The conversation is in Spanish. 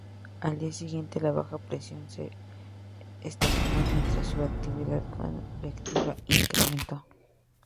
Al día siguiente, la baja presión se estacionó mientras su actividad convectiva incrementó.